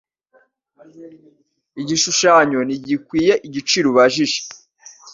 Igishushanyo ntigikwiye igiciro ubajije.